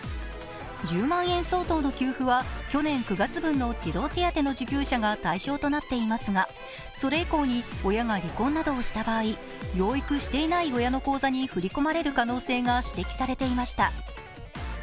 １０万円相当の給付は去年９月分の児童手当の受給者が対象となっていますが、それ以降に親が離婚などした場合に養育していない親の口座に振り込まれる可能性が指摘されていました。